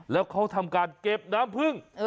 แล้วเขาทำการเก็บน้ำพึ่ง